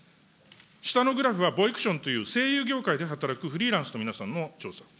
下のグラフはＶＯＩＣＴＩＯＮという声優業界で働くフリーランスの皆さんの調査。